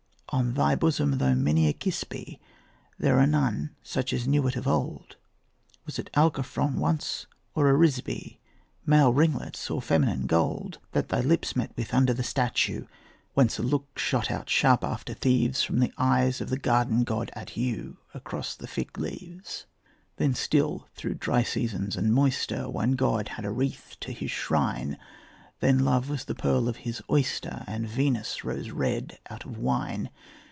On thy bosom though many a kiss be, There are none such as knew it of old. Was it Alciphron once or Arisbe, Male ringlets or feminine gold, That thy lips met with under the statue, Whence a look shot out sharp after thieves From the eyes of the garden god at you Across the fig leaves? Then still, through dry seasons and moister, One god had a wreath to his shrine; Then love was the pearl of his oyster, And Venus rose red out of wine.